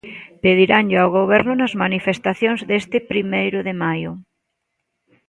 Pediranllo ao Goberno nas manifestacións deste Primeiro de Maio.